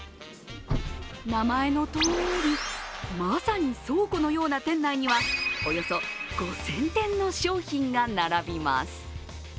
名前のとおりまさに倉庫のような店内には、およそ５０００点の商品が並びます。